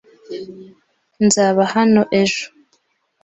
Nzaba hano ejo.